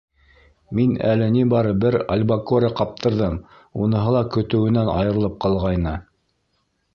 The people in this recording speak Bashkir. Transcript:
Мин әле ни бары бер альбакоре ҡаптырҙым, уныһы ла көтөүенән айырылып ҡалғайны.